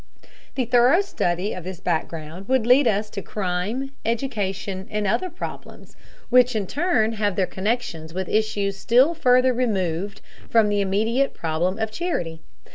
The thorough study of this background would lead us to crime, education and other problems, which in turn have their connections with issues still further removed from the immediate problem of charity.